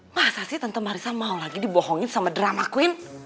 masa sih tante marisa mau lagi dibohongin sama drama queen